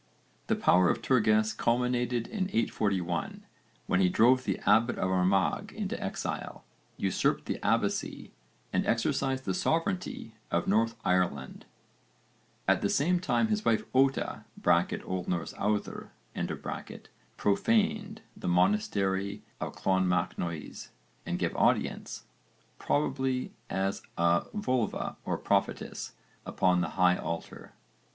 The power of Turges culminated in 841, when he drove the abbot of Armagh into exile, usurped the abbacy, and exercised the sovereignty of North Ireland. At the same time his wife Ota (O.N. Auðr) profaned the monastery of Clonmacnoise and gave audience, probably as a völva or prophetess, upon the high altar.